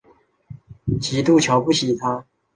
极度瞧不起他